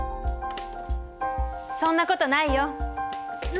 そんなことないよ。